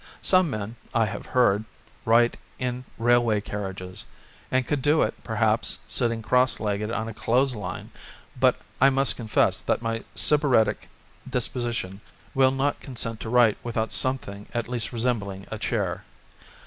Some men, I have heard, write in railway carriages, and could do it, perhaps, sitting cross legged on a clothes line; but I must confess that my sybaritic disposition will not consent to write without something at least resembling a chair.